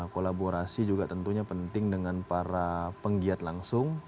kolaborasi juga tentunya penting dengan para penggiat langsung